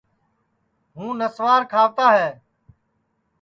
ہُوں نسوار کھاوتا ہے